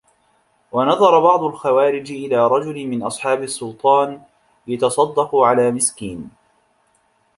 وَنَظَرَ بَعْضُ الْخَوَارِجِ إلَى رَجُلٍ مِنْ أَصْحَابِ السُّلْطَانِ يَتَصَدَّقُ عَلَى مِسْكِينٍ